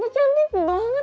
tante cantik banget